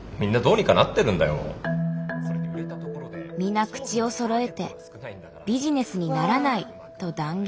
皆口をそろえて「ビジネスにならない」と断言。